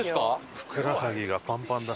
ふくらはぎがパンパンだ。